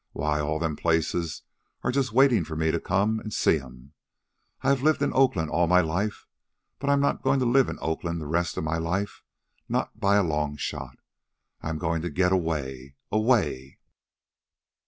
Why, all them places are just waitin' for me to come an' see 'em. I've lived in Oakland all my life, but I'm not going to live in Oakland the rest of my life, not by a long shot. I'm goin' to get away... away...."